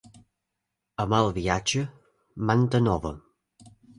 A mal viatge, manta nova.